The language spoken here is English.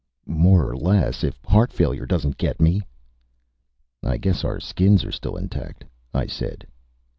"More or less if heart failure doesn't get me." "I guess our skins are still intact," I said.